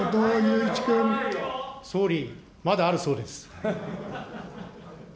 総理、まだあるそうです。